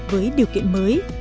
với điều kiện mới